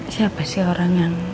siapa sih orang yang